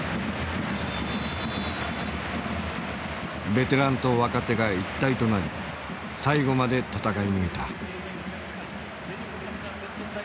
ベテランと若手が一体となり最後まで戦い抜いた。